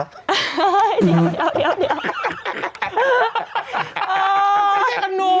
โอ้ยเดี๋ยวไม่ใช่กับหนู